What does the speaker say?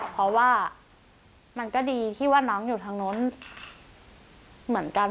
เพราะว่ามันก็ดีที่ว่าน้องอยู่ทางนู้นเหมือนกัน